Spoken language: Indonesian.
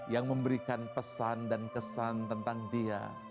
yang memberikan pesan dan kesan tentang dia